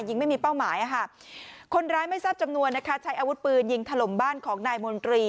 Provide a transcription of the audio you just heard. ยิงไม่มีเป้าหมายคนร้ายไม่ทราบจำนวนนะคะใช้อาวุธปืนยิงถล่มบ้านของนายมนตรี